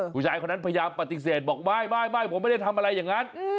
ผู้ชายคนนั้นพยายามปฏิเสธบอกไม่ผมไม่ได้ทำอะไรอย่างนั้น